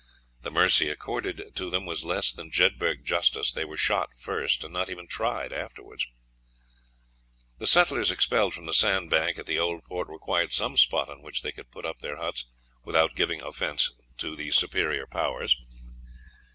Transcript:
The mercy accorded to them was less than Jedburgh justice: they were shot first, and not even tried afterwards. The settlers expelled from the sandbank at the Old Port required some spot on which they could put up their huts without giving offence to the superior powers.